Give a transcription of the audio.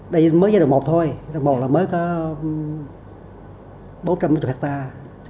đây mới giai đoạn một thôi giai đoạn một là mới có bốn trăm linh hectare